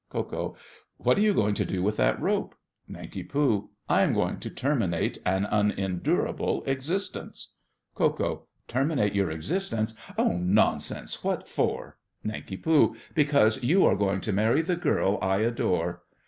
KO. What are you going to do with that rope? NANK. I am about to terminate an unendurabIe existence. KO. Terminate your existence? Oh, nonsense! What for? NANK. Because you are going to marry the girl I adore.